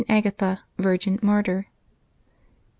AGATHA, Virgin, Martjrr. ^T.